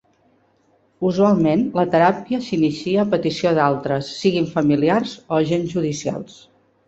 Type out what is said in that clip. Usualment la teràpia s'inicia a petició d'altres, siguin familiars o agents judicials.